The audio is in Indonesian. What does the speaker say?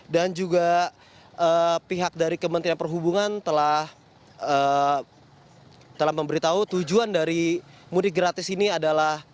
dan juga pihak dari kementerian perhubungan telah memberitahu tujuan dari mudik gratis ini adalah